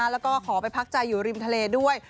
แล้วก็ขอไปพักใจอยู่ริมทะเลด้วย